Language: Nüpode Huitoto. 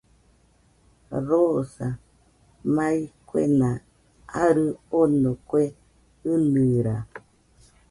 Rosa, mai kuena arɨ ono, kue ɨnɨra